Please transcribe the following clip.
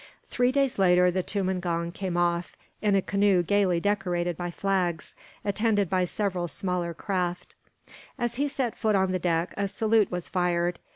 Three days later the tumangong came off, in a canoe gaily decorated by flags, attended by several smaller craft. As he set foot on the deck, a salute was fired.